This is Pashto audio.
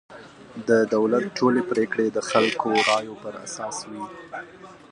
د دولت ټولې پرېکړې د خلکو رایو پر اساس وي.